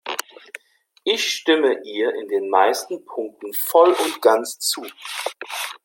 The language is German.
Ich stimme ihr in den meisten Punkten voll und ganz zu.